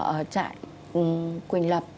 ở trại quỳnh lập